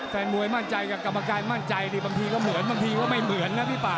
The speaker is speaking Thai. แฟนมวยมั่นใจกับกรรมการมั่นใจดิบางทีก็เหมือนบางทีก็ไม่เหมือนนะพี่ป่า